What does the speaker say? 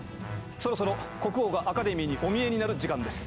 そろそろ国王がアカデミーにお見えになる時間です。